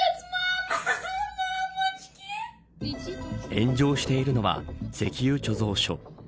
炎上しているのは石油貯蔵所。